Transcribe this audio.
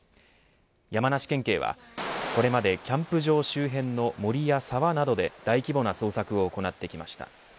山梨県警はこれまでキャンプ場周辺の森や沢などで大規模な捜索を行ってきました。